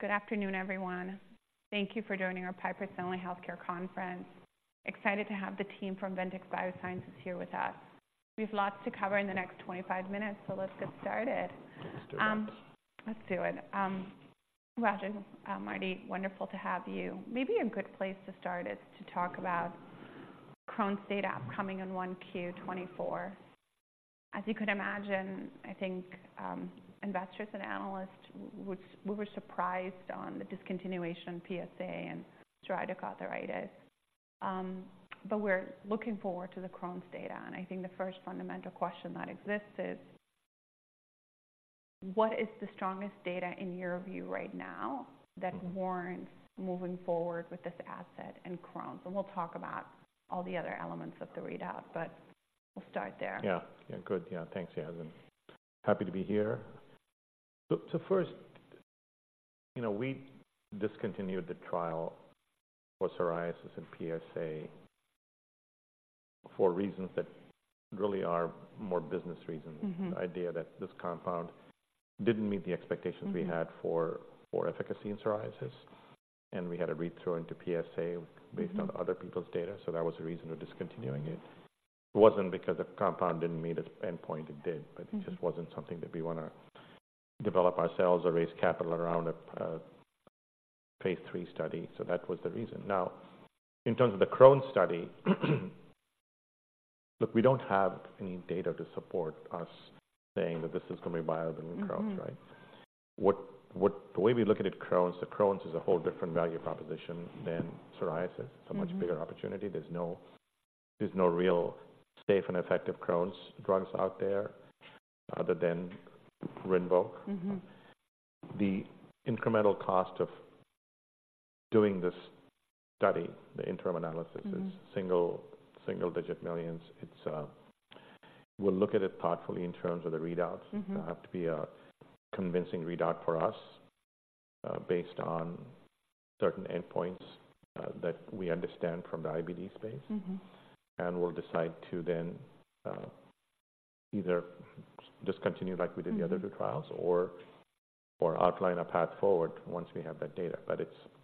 All right. Good afternoon, everyone. Thank you for joining our Piper Sandler Healthcare Conference. Excited to have the team from Ventyx Biosciences here with us. We have lots to cover in the next 25 minutes, so let's get started. Let's get started. Let's do it. Raju, Marty, wonderful to have you. Maybe a good place to start is to talk about Crohn's data upcoming in 1Q 2024. As you could imagine, I think, investors and analysts, which we were surprised on the discontinuation of PsA and psoriatic arthritis. But we're looking forward to the Crohn's data, and I think the first fundamental question that exists is, what is the strongest data in your view right now. Mm-hmm. That warrants moving forward with this asset in Crohn's? We'll talk about all the other elements of the readout, but we'll start there. Yeah. Yeah, good. Yeah. Thanks, Yasmeen. Happy to be here. So first, you know, we discontinued the trial for psoriasis and PsA for reasons that really are more business reasons. Mm-hmm. The idea that this compound didn't meet the expectations— Mm-hmm. We had for efficacy in psoriasis, and we had a read-through into PsA. Mm-hmm Based on other people's data, so that was the reason we're discontinuing it. It wasn't because the compound didn't meet its endpoint, it did. Mm-hmm But it just wasn't something that we want to develop ourselves or raise capital around a phase III study. So that was the reason. Now, in terms of the Crohn's study, look, we don't have any data to support us saying that this is going to be viable in Crohn's, right? Mm-hmm. The way we look at it, Crohn's, the Crohn's is a whole different value proposition than psoriasis. Mm-hmm. It's a much bigger opportunity. There's no real safe and effective Crohn's drugs out there other than RINVOQ. Mm-hmm. The incremental cost of doing this study, the interim analysis. Mm-hmm Is single-digit millions. It's, we'll look at it thoughtfully in terms of the readouts. Mm-hmm. It'll have to be a convincing readout for us, based on certain endpoints, that we understand from the IBD space. Mm-hmm. We'll decide to then, either discontinue like we did. Mm-hmm The other two trials or outline a path forward once we have that data. But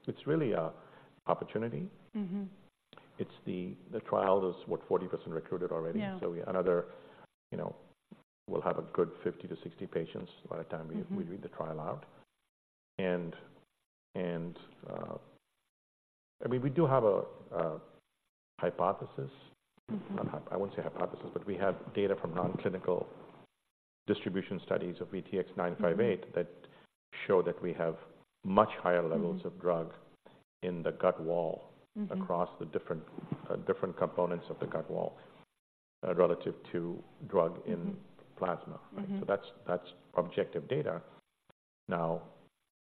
it's really an opportunity. Mm-hmm. It's the trial is, what? 40% recruited already. Yeah. So, you know, we'll have a good 50-60 patients by the time we— Mm-hmm We read the trial out. And, I mean, we do have a hypothesis. Mm-hmm. I won't say hypothesis, but we have data from non-clinical distribution studies of VTX958— Mm-hmm That show that we have much higher levels— Mm-hmm Of drug in the gut wall. Mm-hmm Across the different components of the gut wall, relative to drug in— Mm-hmm Plasma. Mm-hmm. So that's, that's objective data. Now,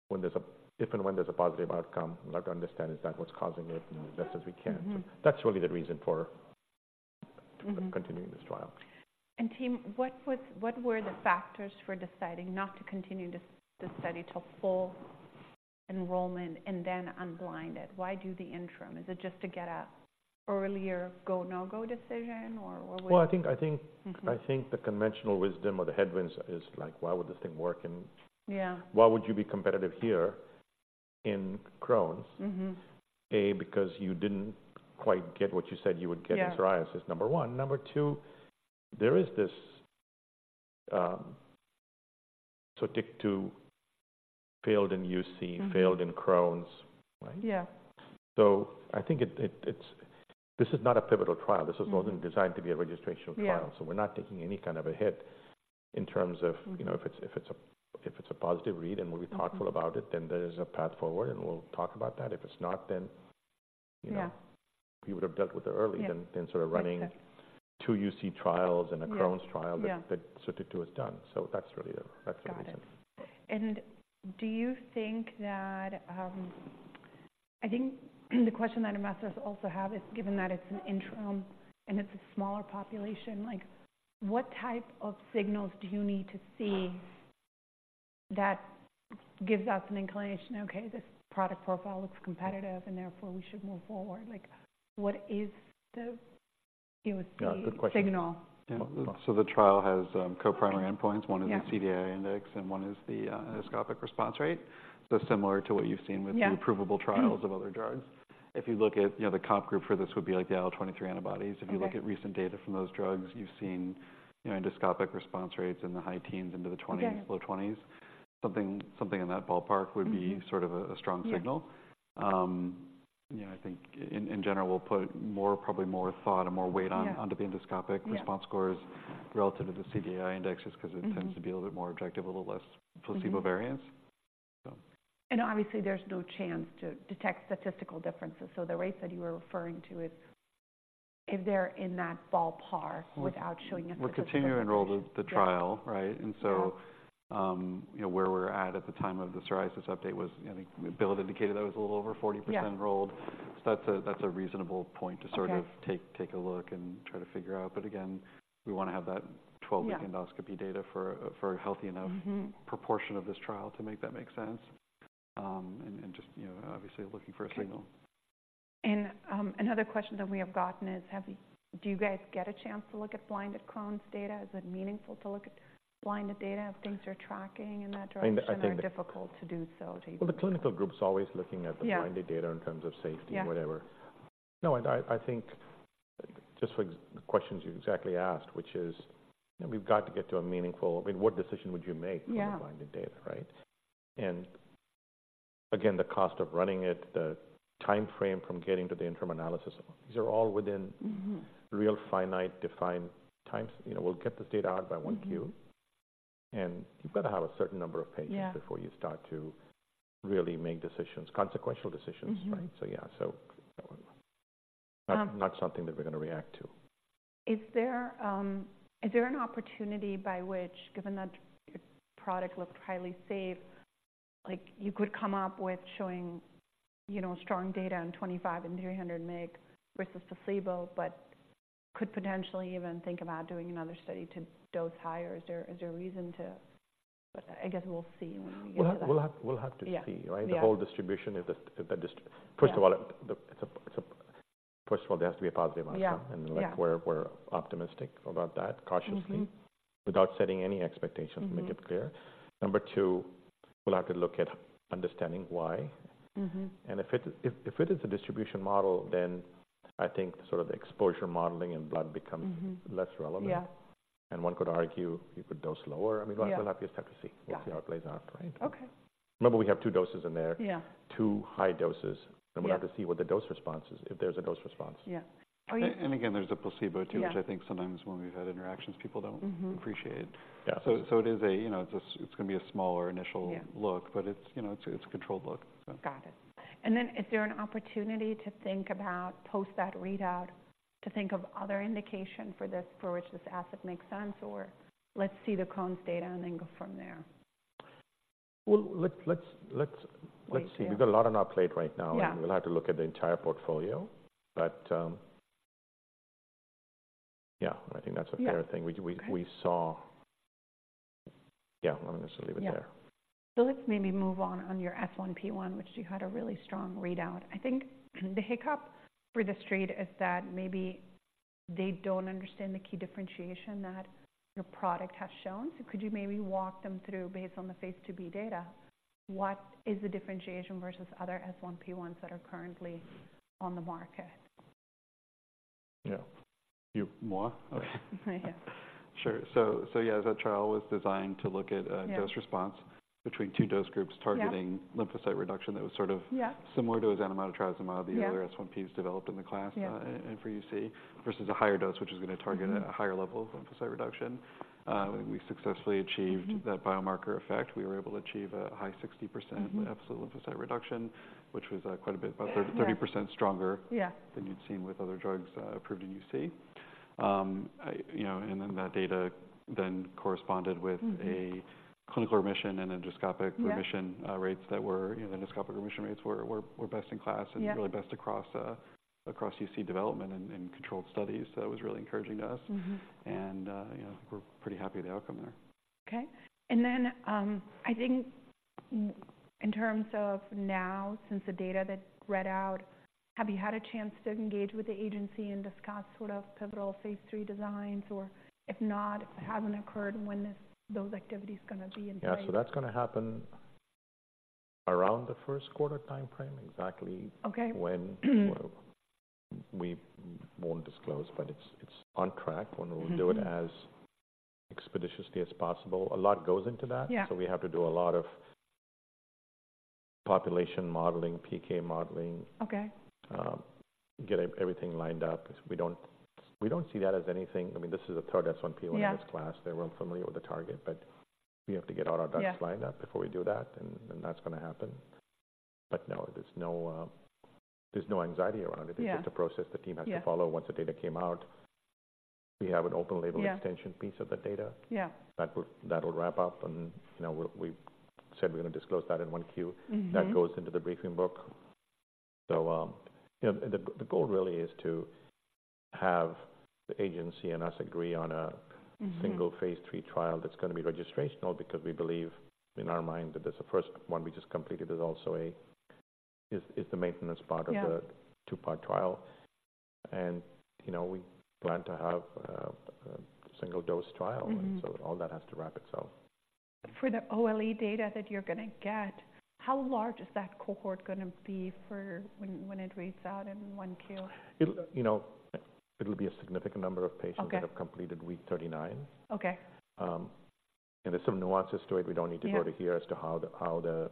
when there's a—If and when there's a positive outcome, we'd like to understand is that what's causing it as best as we can. Mm-hmm. So that's really the reason for— Mm-hmm Continuing this trial. Team, what were the factors for deciding not to continue this study to full enrollment and then unblind it? Why do the interim? Is it just to get an earlier go, no-go decision, or what was it? Well, I think. Mm-hmm I think the conventional wisdom or the headwinds is, like, why would this thing work and— Yeah. Why would you be competitive here in Crohn's? Mm-hmm. A, because you didn't quite get what you said you would get— Yeah In psoriasis, number one. Number two, there is this, so TYK2 failed in UC— Mm-hmm Failed in Crohn's, right? Yeah. So I think it's. This is not a pivotal trial. Mm-hmm. This wasn't designed to be a registrational trial. Yeah. We're not taking any kind of a hit in terms of— Mm-hmm You know, if it's a positive read and we'll be thoughtful— Mm-hmm About it, then there is a path forward, and we'll talk about that. If it's not, then, you know. Yeah We would have dealt with it early— Yeah Than sort of running two UC trials. Yeah And a Crohn's trial— Yeah That TYK2 has done. So that's really it. That's the reason. Got it. And do you think that, I think the question that investors also have is, given that it's an interim and it's a smaller population, like, what type of signals do you need to see that gives us an inclination, "Okay, this product profile looks competitive, and therefore we should move forward?" Like, what is the, you would see— Yeah, good question. Signal? Yeah, so the trial has co-primary endpoints. Yeah. One is the CDAI index, and one is the endoscopic response rate. So similar to what you've seen with- Yeah The approvable trials of other drugs. If you look at, you know, the comp group for this would be like the IL-23 antibodies. Okay. If you look at recent data from those drugs, you've seen, you know, endoscopic response rates in the high teens into the 20s. Okay Low 20s. Something, something in that ballpark would be— Mm-hmm Sort of a strong signal. Yeah. You know, I think in general, we'll put more, probably more thought and more weight on— Yeah Onto the endoscopic. Yeah Response scores relative to the CDAI indexes— Mm-hmm 'Cause it tends to be a little bit more objective, a little less— Mm-hmm Placebo variance. So. Obviously, there's no chance to detect statistical differences, so the rates that you were referring to is, if they're in that ballpark without showing a statistical— We're continuing to enroll the trial, right? Yeah. So, you know, where we're at at the time of the psoriasis update was, I think Bill indicated that was a little over 40%— Yeah Enrolled. So that's a reasonable point to sort of— Okay Take a look and try to figure out. But again, we want to have that 12-week— Yeah Endoscopy data for a healthy enough— Mm-hmm Proportion of this trial to make that make sense. And just, you know, obviously looking for a signal. And, another question that we have gotten is, have you—do you guys get a chance to look at blinded Crohn's data? Is it meaningful to look at blinded data if things are tracking in that direction? I think the— or difficult to do so? Well, the clinical group's always looking at the— Yeah Blinded data in terms of safety. Yeah No, and I think just for the questions you exactly asked, which is, you know, we've got to get to a meaningful. I mean, what decision would you make. Yeah From the blinded data, right? And again, the cost of running it, the timeframe from getting to the interim analysis, these are all within- Mm-hmm Real, finite, defined times. You know, we'll get this data out by Q1. Mm-hmm. You've got to have a certain number of patients. Yeah Before you start to really make decisions, consequential decisions. Mm-hmm. Right? So yeah, so, not something that we're going to react to. Is there an opportunity by which, given that your product looked highly safe, like, you could come up with showing, you know, strong data on 25 and 300 mg versus placebo, but could potentially even think about doing another study to dose higher? Is there a reason to. But I guess we'll see when we get to that. We'll have to see, right? Yeah. The whole distribution, if the dist— Yeah. First of all, first of all, there has to be a positive answer. Yeah, yeah. And we're optimistic about that, cautiously. Mm-hmm. Without setting any expectations, Mm-hmm. To make it clear. Number two, we'll have to look at understanding why. Mm-hmm. If it is a distribution model, then I think sort of the exposure modeling and blood becomes— Mm-hmm Less relevant. Yeah. One could argue you could dose lower. Yeah. I mean, we'll have to see. Yeah. We'll see how it plays out, right? Okay. Remember, we have two doses in there. Yeah. Two high doses. Yeah. We'll have to see what the dose response is, if there's a dose response. Yeah. And again, there's a placebo, too. Yeah which I think sometimes when we've had interactions, people don't Mm-hmm Appreciate. Yeah. So, it is a, you know, it's going to be a smaller initial— Yeah Look, but it's, you know, it's a controlled look, so. Got it. And then is there an opportunity to think about, post that readout, to think of other indication for this, for which this asset makes sense? Or let's see the Crohn's data and then go from there? Well, let's see. Yeah. We've got a lot on our plate right now. Yeah. We'll have to look at the entire portfolio. But, yeah, I think that's a fair thing. Yeah. We saw. Yeah, I'm just going to leave it there. Yeah. So let's maybe move on, on your S1P1, which you had a really strong readout. I think the hiccup for the Street is that maybe they don't understand the key differentiation that your product has shown. So could you maybe walk them through, based on the phase IIb data, what is the differentiation versus other S1P1s that are currently on the market? Yeah. You, me? Yeah. Sure. So yeah, that trial was designed to look at— Yeah Dose-response between two dose groups— Yeah Targeting lymphocyte reduction that was sort of— Yeah Similar to ozanimod, etrasimod— Yeah The other S1Ps developed in the class. Yeah and for UC, versus a higher dose, which is going to target— Mm-hmm A higher level of lymphocyte reduction. We successfully achieved— Mm-hmm That biomarker effect. We were able to achieve a high 60%— Mm-hmm Absolute lymphocyte reduction, which was quite a bit, about— Yeah 30% stronger Yeah Than you'd seen with other drugs approved in UC. You know, and then that data then corresponded with— Mm-hmm A clinical remission and endoscopic remission Yeah Rates that were, you know, endoscopic remission rates were best in class. Yeah And really best across across UC development and and controlled studies. So that was really encouraging to us. Mm-hmm. You know, we're pretty happy with the outcome there. Okay. And then, I think in terms of now, since the data that read out, have you had a chance to engage with the agency and discuss sort of pivotal phase III designs? Or if not, if it hasn't occurred, when is those activities going to be in place? Yeah, so that's going to happen around the first quarter timeframe. Exactly— Okay When we won't disclose, but it's on track. Mm-hmm. When we'll do it as expeditiously as possible. A lot goes into that. Yeah. We have to do a lot of population modeling, PK modeling. Okay. Get everything lined up. We don't see that as anything. I mean, this is the third S1P1— Yeah In this class. They're well familiar with the target, but we have to get all our ducks— Yeah Lined up before we do that, and that's going to happen. But no, there's no anxiety around it. Yeah. It's just a process the team— Yeah Had to follow once the data came out. We have an open label— Yeah Extension piece of the data. Yeah. That will wrap up, and, you know, we said we're going to disclose that in Q1. Mm-hmm. That goes into the briefing book. So, you know, the goal really is to have the agency and us agree on a— Mm-hmm Single phase III trial that's going to be registrational, because we believe in our mind that the first one we just completed is also the maintenance part of the— Yeah Two-part trial. You know, we plan to have a single dose trial. Mm-hmm. All that has to wrap itself. For the OLE data that you're going to get, how large is that cohort going to be for when it reads out in 1Q? It'll, you know, it'll be a significant number of patients— Okay That have completed week 39. Okay. There's some nuances to it. Yeah. We don't need to go into how the,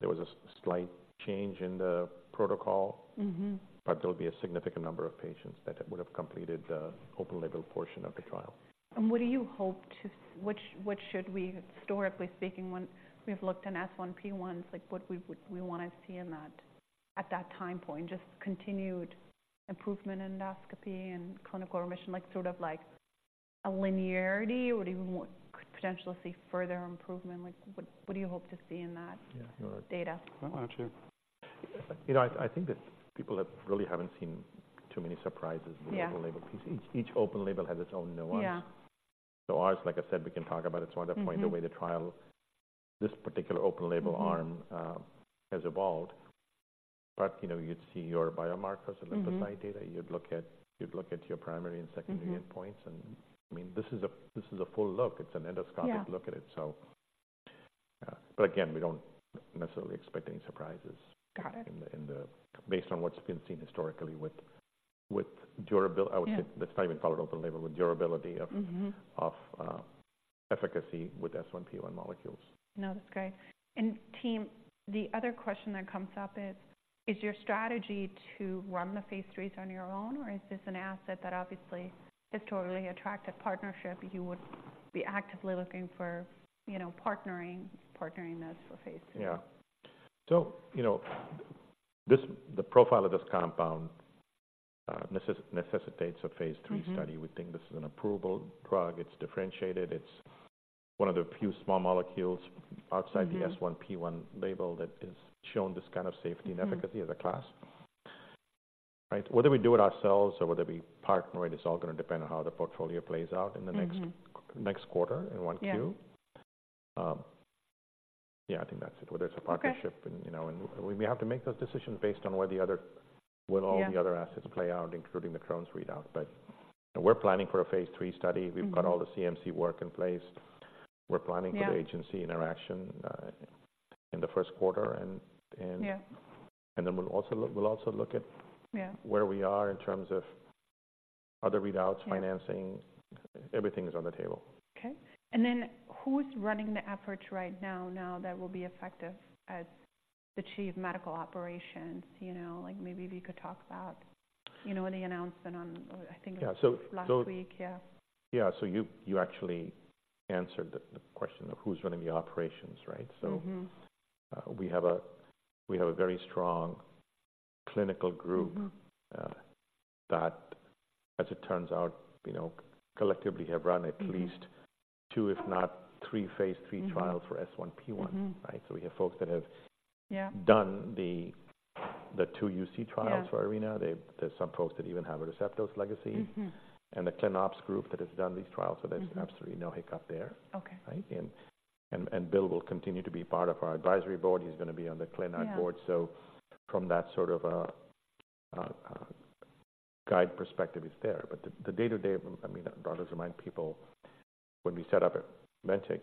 there was a slight change in the protocol. Mm-hmm. There will be a significant number of patients that would have completed the open-label portion of the trial. What do you hope to—which, what should we, historically speaking, when we've looked in S1P1s, like, what we would, we want to see in that at that time point, just continued improvement in endoscopy and clinical remission, like, sort of like a linearity, or even more, could potentially see further improvement? Like, what, what do you hope to see in that- Yeah. Data? Well, I'll tell you. You know, I think that people have really haven't seen too many surprises— Yeah with open-label piece. Each open-label has its own nuance. Yeah. So ours, like I said, we can talk about it some other point. Mm-hmm this particular open label arm has evolved. But, you know, you'd see your biomarkers- Mm-hmm. and lymphocyte data. You'd look at your primary and secondary- Mm-hmm Endpoints, and, I mean, this is a, this is a full look. It's an endoscopic- Yeah Look at it, so, but again, we don't necessarily expect any surprises- Got it In the, based on what's been seen historically with durability Yeah. I would say, let's not even call it open label, with durability of- Mm-hmm Of efficacy with S1P1 molecules. No, that's great. And team, the other question that comes up is: Is your strategy to run the phase IIIs on your own, or is this an asset that obviously, historically attractive partnership, you would be actively looking for, you know, partnering, partnering this for phase III? Yeah. So, you know, this, the profile of this compound necessitates a phase III study. Mm-hmm. We think this is an approvable drug. It's differentiated. It's one of the few small molecules outside- Mm-hmm The S1P1 label that has shown this kind of safety and efficacy- Mm-hmm As a class. Right. Whether we do it ourselves or whether we partner, it is all gonna depend on how the portfolio plays out in the next- Mm-hmm Next quarter, in Q1. Yeah. Yeah, I think that's it. Okay. Whether it's a partnership and, you know, and we have to make those decisions based on where the other Yeah Where all the other assets play out, including the Crohn's readout. But we're planning for a phase III study. Mm-hmm. We've got all the CMC work in place. We're planning- Yeah For the agency interaction in the first quarter, and, and- Yeah And then we'll also look at- Yeah Where we are in terms of other readouts- Yeah Financing. Everything is on the table. Okay. And then who's running the efforts right now, now that will be effective as the chief medical operations? You know, like, maybe if you could talk about, you know, the announcement on, I think- Yeah. So- Last week. Yeah. Yeah. So you actually answered the question of who's running the operations, right? Mm-hmm. We have a very strong clinical group- Mm-hmm That, as it turns out, you know, collectively have run- Mm-hmm At least two, if not three, phase III trials- Mm-hmm For S1P1. Mm-hmm. Right? So we have folks that have- Yeah Done the two UC trials- Yeah For Arena. There's some folks that even have a Receptos legacy. Mm-hmm. The ClinOps group that has done these trials- Mm-hmm. There's absolutely no hiccup there. Okay. Right? And Bill will continue to be part of our advisory board. He's gonna be on the ClinOp board. Yeah. So from that sort of a guide perspective, he's there. But the day-to-day, I mean, I'd rather remind people, when we set up at Ventyx,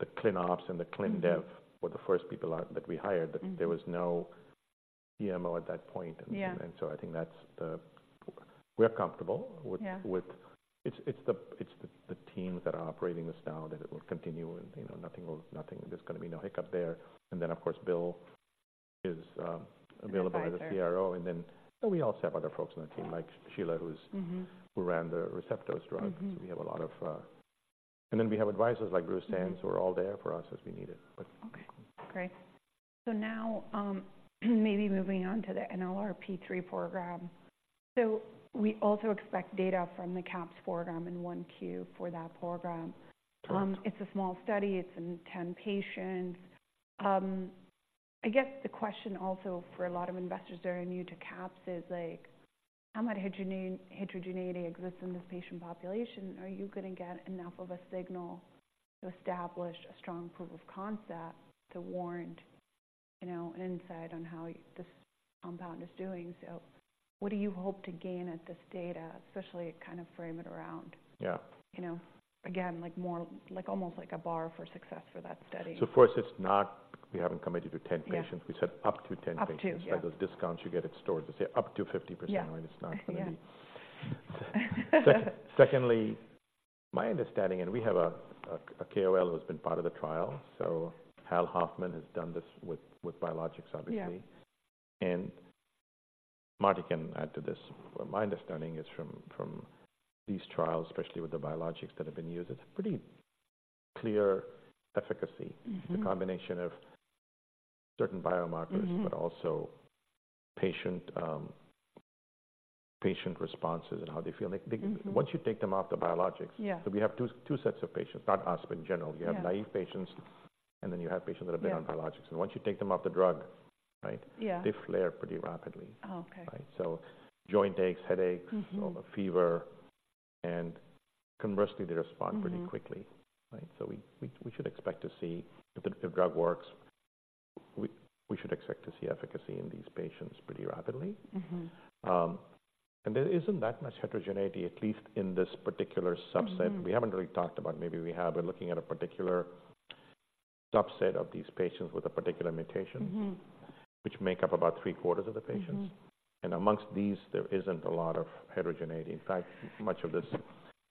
the ClinOps and the ClinDev- Mm-hmm Were the first people out that we hired. Mm-hmm. There was no CMO at that point. Yeah. And so I think that's the, we're comfortable with- Yeah With— It's the teams that are operating this now, that it will continue and, you know, nothing will— there's gonna be no hiccup there. And then, of course, Bill is available- Advisor As a CRO, and then we also have other folks on the team, like Sheila, who's- Mm-hmm Who ran the Receptos drug. Mm-hmm. So we have a lot of... And then we have advisors like Bruce Sands- Mm-hmm Who are all there for us as we need it, but. Okay, great. So now, maybe moving on to the NLRP3 program. So we also expect data from the CAPS program in 1Q for that program. Correct. It's a small study. It's in 10 patients. I guess the question also for a lot of investors that are new to CAPS is, like, how much heterogeneity exists in this patient population? Are you gonna get enough of a signal to establish a strong proof of concept to warrant, you know, insight on how this compound is doing? So what do you hope to gain at this data, especially to kind of frame it around? Yeah. You know, again, like more, like, almost like a bar for success for that study. Of course, it's not, we haven't committed to 10 patients. Yeah. We said up to 10 patients. Up to, yeah. Like those discounts you get at stores, they say up to 50%- Yeah But it's not gonna be. Secondly, my understanding, and we have a KOL who's been part of the trial, so Hal Hoffman has done this with biologics, obviously. Yeah. Marty can add to this. My understanding is from these trials, especially with the biologics that have been used, it's a pretty clear efficacy. Mm-hmm. It's a combination of certain biomarkers- Mm-hmm But also patient responses and how they feel. Mm-hmm. Like, once you take them off the biologics. Yeah. So we have two sets of patients, not us, but in general. Yeah. You have naive patients, and then you have patients that have- Yeah Been on biologics. Once you take them off the drug, right- Yeah They flare pretty rapidly. Oh, okay. Right? So joint aches, headaches- Mm-hmm Fever, and conversely, they respond- Mm-hmm Pretty quickly, right? So we should expect to see if the drug works, we should expect to see efficacy in these patients pretty rapidly. Mm-hmm. There isn't that much heterogeneity, at least in this particular subset. Mm-hmm. We haven't really talked about, maybe we have. We're looking at a particular subset of these patients with a particular mutation- Mm-hmm Which make up about three-quarters of the patients. Mm-hmm. And amongst these, there isn't a lot of heterogeneity. In fact, much of this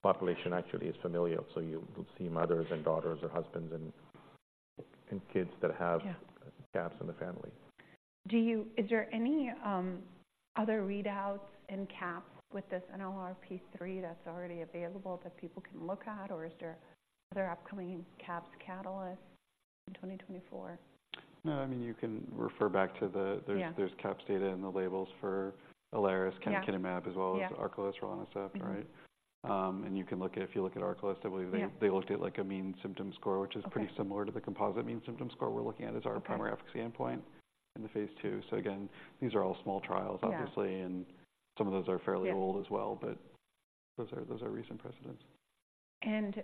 population actually is familial, so you would see mothers and daughters or husbands and kids that have- Yeah CAPS in the family. Is there any other readouts in CAPS with this NLRP3 that's already available that people can look at, or is there other upcoming CAPS catalysts in 2024? No, I mean, you can refer back to the- Yeah There's CAPS data in the labels for Ilaris- Yeah Canakinumab, as well as- Yeah Arcalyst rilonacept. Mm-hmm. Right? You can look at, if you look at Arcalyst, I believe they- Yeah They looked at like a mean symptom score- Okay Which is pretty similar to the composite mean symptom score we're looking at as our- Okay Primary efficacy endpoint in the phase II. So again, these are all small trials, obviously. Yeah. And some of those are fairly- Yeah Old as well. Those are, those are recent precedents. And,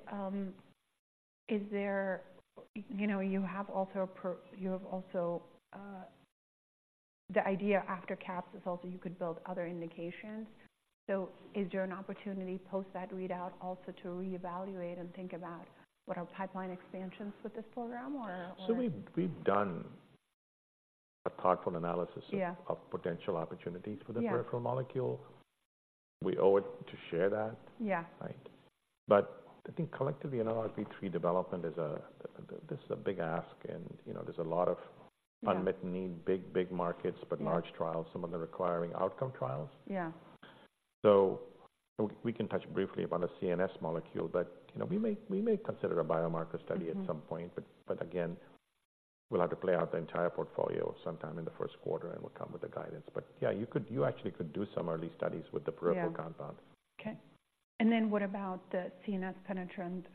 is there, you know, you have also the idea after CAPS is also you could build other indications. So is there an opportunity post that readout also to reevaluate and think about what are pipeline expansions with this program or, or? So we've done a thoughtful analysis- Yeah of potential opportunities for Yeah the peripheral molecule. We owe it to share that. Yeah. Right. But I think collectively, NLRP3 development is a, this is a big ask and, you know, there's a lot of- Yeah Unmet need, big, big markets. Yeah but large trials, some of them requiring outcome trials. Yeah. We can touch briefly about a CNS molecule, but, you know, we may consider a biomarker study- Mm-hmm At some point, but, but again, we'll have to play out the entire portfolio sometime in the first quarter, and we'll come with the guidance. But yeah, you could, you actually could do some early studies with the peripheral compound. Yeah. Okay. And then what about the CNS penetrant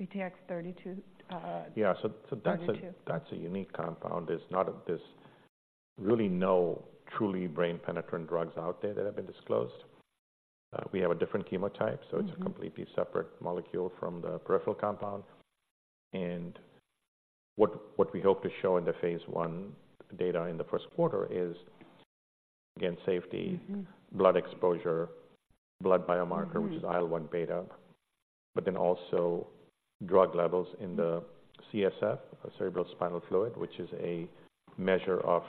VTX3232? Yeah, so that's a- 32 That's a unique compound. There's not, there's really no truly brain-penetrant drugs out there that have been disclosed. We have a different chemotype. Mm-hmm So it's a completely separate molecule from the peripheral compound. And what, what we hope to show in the phase I data in the first quarter is, again, safety. Mm-hmm Blood exposure, blood biomarker Mm-hmm Which is IL-1β, but then also drug levels in the CSF, cerebrospinal fluid, which is a measure of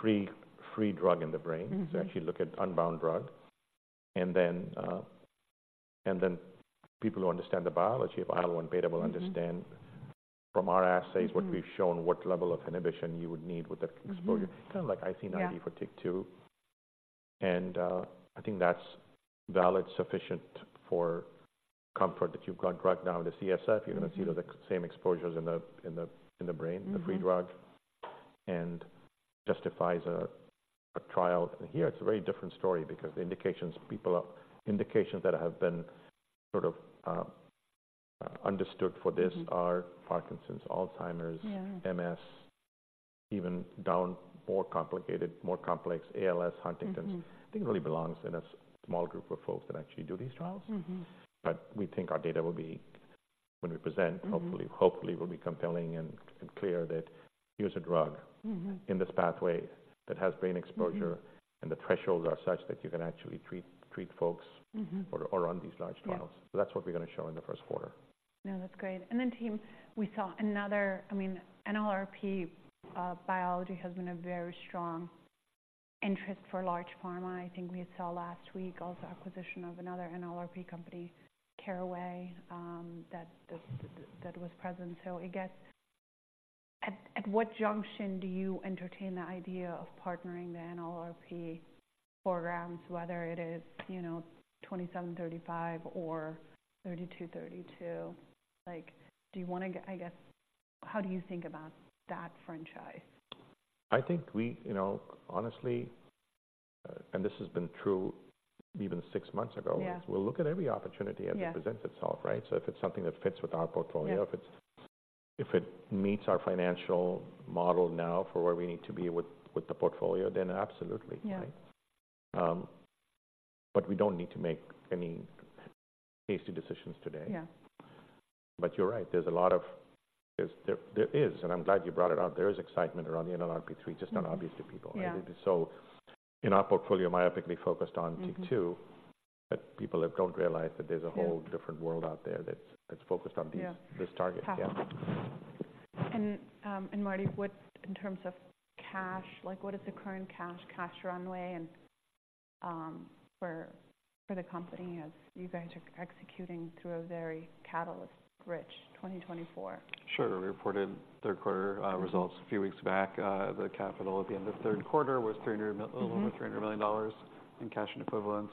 free drug in the brain. Mm-hmm. So actually look at unbound drug, and then, and then people who understand the biology of IL-1 beta- Mm-hmm Will understand from our assays. Mm-hmm What we've shown, what level of inhibition you would need with the exposure. Mm-hmm. Kind of like IC90- Yeah For TYK2. And, I think that's valid, sufficient for comfort that you've got drug now in the CSF. Mm-hmm. You're going to see the same exposures in the brain- Mm-hmm The free drug, and justifies a trial. And here it's a very different story because the indications that have been sort of understood for this- Mm-hmm Are Parkinson's, Alzheimer's Yeah MS, even down more complicated, more complex ALS, Huntington's. Mm-hmm. I think it really belongs in a small group of folks that actually do these trials. Mm-hmm. But we think our data will be, when we present- Mm-hmm Hopefully, hopefully will be compelling and clear that here's a drug. Mm-hmm in this pathway that has brain exposure. Mm-hmm The thresholds are such that you can actually treat folks. Mm-hmm or on these large trials. Yeah. That's what we're going to show in the first quarter. No, that's great. And then, team, we saw another. I mean, NLRP3 biology has been a very strong interest for large pharma. I think we saw last week also acquisition of another NLRP3 company, Caraway, that was present. So I guess at what junction do you entertain the idea of partnering the NLRP3 programs, whether it is, you know, VTX2735 or VTX3232? Like, do you want to get. I guess, how do you think about that franchise? I think we, you know, honestly, and this has been true even six months ago- Yeah We'll look at every opportunity. Yeah As it presents itself, right? So if it's something that fits with our portfolio- Yeah If it meets our financial model now for where we need to be with the portfolio, then absolutely. Yeah. But we don't need to make any hasty decisions today. Yeah. But you're right, there's a lot of, there is, and I'm glad you brought it up. There is excitement around the NLRP3 Mm-hmm Just not obvious to people. Yeah. So in our portfolio, myopically focused on- Mm-hmm but people don't realize that there's a- Yeah Whole different world out there that's, that's focused on these Yeah This target. Yeah. Marty, what in terms of cash, like what is the current cash runway and for the company as you guys are executing through a very catalyst-rich 2024? Sure. We reported third quarter results a few weeks back. The capital at the end of third quarter was $300 mil- Mm-hmm A little over $300 million in cash and equivalents.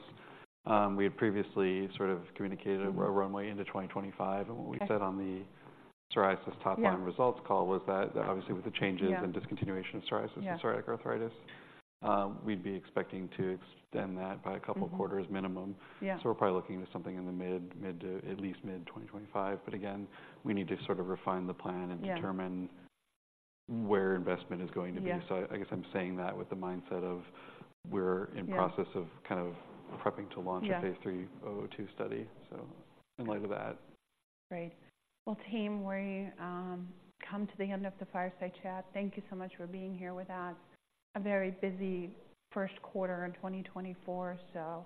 We had previously sort of communicated- Mm-hmm A runway into 2025. Okay. What we said on the psoriasis top line- Yeah Results call was that obviously with the changes. Yeah And discontinuation of psoriasis Yeah And psoriatic arthritis, we'd be expecting to extend that by a couple- Mm-hmm Quarters minimum. Yeah. So we're probably looking to something in the mid, mid to at least mid 2025. But again, we need to sort of refine the plan- Yeah And determine where investment is going to be. Yeah. So, I guess I'm saying that with the mindset of we're in process- Yeah Of kind of prepping to launch Yeah A phase III VTX002 study. So in light of that. Great. Well, team, we come to the end of the fireside chat. Thank you so much for being here with us. A very busy first quarter in 2024, so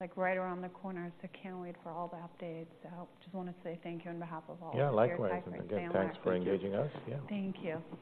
like right around the corner, so can't wait for all the updates. So just wanted to say thank you on behalf of all- Yeah, likewise Our family. Thanks for engaging us. Yeah. Thank you.